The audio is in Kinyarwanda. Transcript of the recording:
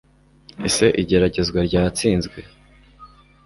ese igeragezwa ryatsinzwe